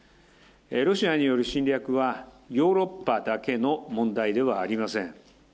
ロシアによる侵略はヨーロッパだけの問題ではありません。